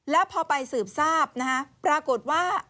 แล้วพอไปสืบทราบนะฮะปรากฏว่า